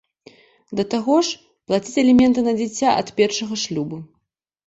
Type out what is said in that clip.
Да таго ж, плаціць аліменты на дзіця ад першага шлюбу.